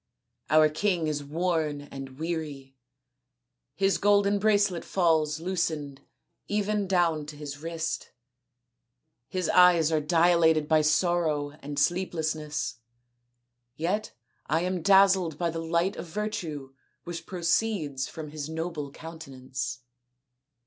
Our king is worn and weary ; his golden bracelet falls loosened even down to his wrist ; his eyes are dilated by sorrow and sleeplessness yet I am dazzled by the light of virtue which proceeds from his noble countenance."